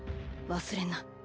忘れんな。